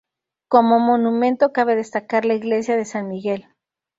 Como monumento cabe destacar la iglesia de San Miguel.